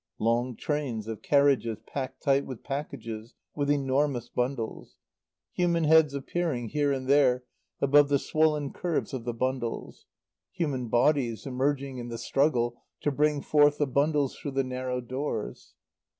Long trains of carriages packed tight with packages, with, enormous bundles; human heads appearing, here and there, above the swollen curves of the bundles; human bodies emerging in the struggle to bring forth the bundles through the narrow doors.